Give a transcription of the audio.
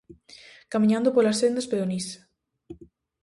Camiñando polas sendas peonís.